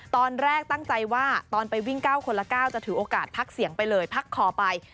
ตอนแรกตั้งใจว่าตอนไปวิ่ง๙คนละ๙จะถือโอกาสพักเสียงไปเลยพักคอไป